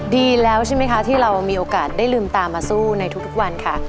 ดีแล้วใช่ไหมคะที่เรามีโอกาสได้ลืมตามาสู้ในทุกวันค่ะ